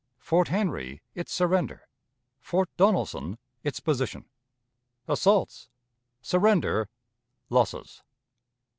Fort Henry; its Surrender. Fort Donelson; its Position. Assaults. Surrender. Losses.